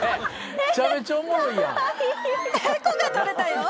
めちゃめちゃおもろいやん。